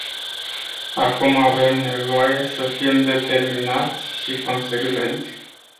Acum avem nevoie să fim determinați și consecvenți.